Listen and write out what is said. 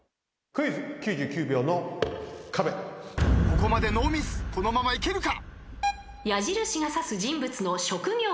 ここまでノーミスこのままいけるか？